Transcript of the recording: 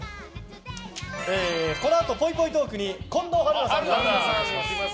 このあとぽいぽいトークに近藤春菜さんが来ます。